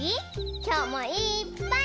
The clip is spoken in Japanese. きょうもいっぱい。